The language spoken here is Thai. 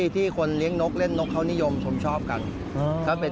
ที่คนเลี้ยงนกเล่นนกเขานิยมชมชอบกัน